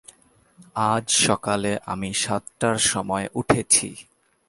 আজ সকালে আমি সাতটার সময় উঠেছি।